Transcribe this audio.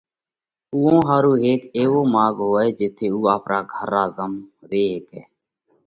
اُوئون ۿارُو هيڪ ايوو ماڳ هوئہ جيٿئہ اُو آپرا گھر را زم ري هيڪئہ